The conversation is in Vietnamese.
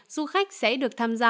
du khách sẽ được tham gia